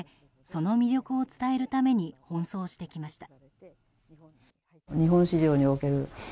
その魅力を伝えるために奔走してきました。